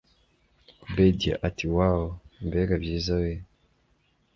obedia ati woooow mbega byiza wee